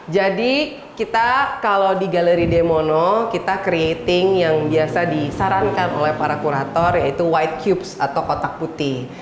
kita kalau di galeri demono kita creating yang biasa disarankan oleh para kurator yaitu white cups atau kotak putih